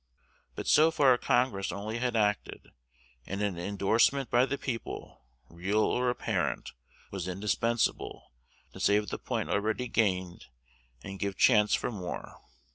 But so far Congress only had acted; and an indorsement by the people, real or apparent, was indispensable, to save the point already gained and give chance for more.